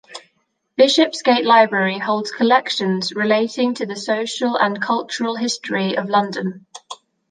Bishopsgate Library holds collections relating to the social and cultural history of London.